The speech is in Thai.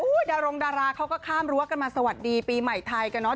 ดารงดาราเขาก็ข้ามรั้วกันมาสวัสดีปีใหม่ไทยกันเนาะ